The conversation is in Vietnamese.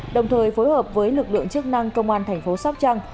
đồng thời phối hợp với lực lượng chức năng công an tp hcm